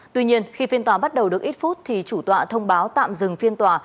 tuy nhiên khi phiên tòa bắt đầu được ít phút thì chủ tọa thông báo tạm dừng phiên tòa